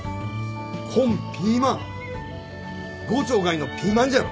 こんピーマン郷長がいのピーマンじゃろ！？